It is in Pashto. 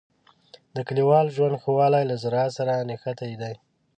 د کلیوالو ژوند ښه والی له زراعت سره نښتی دی.